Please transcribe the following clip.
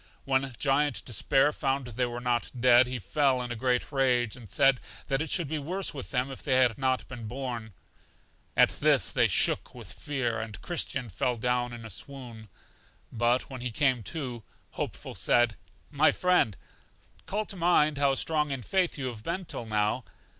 When Giant Despair found they were not dead, he fell in a great rage, and said that it should be worse with them if they had not been born. At this they shook with fear, and Christian fell down in a swoon; but when he came to, Hopeful said: My friend, call to mind how strong in faith you have been till now.